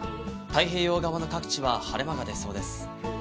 太平洋側の各地は晴れ間が出そうです。